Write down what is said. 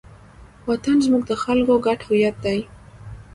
وطن زموږ د خلکو ګډ هویت دی.